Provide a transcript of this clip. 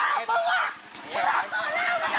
กลับไปอยู่กับแม่เก่ามึงดิ